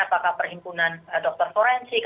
apakah perhimpunan dokter forensik